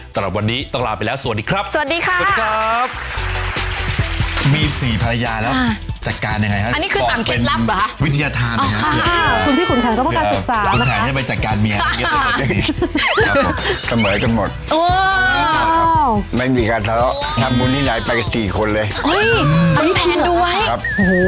สำหรับวันนี้ต้องลาไปแล้วสวัสดีครับ